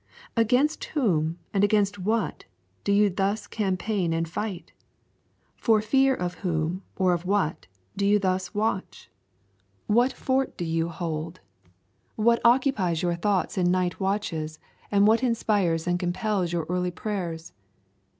Against whom and against what do you thus campaign and fight? For fear of whom or of what do you thus watch? What fort do you hold? What occupies your thoughts in night watches, and what inspires and compels your early prayers?